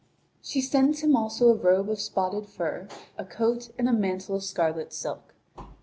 She sends him also a robe of spotted fur, a coat, and a mantle of scarlet silk.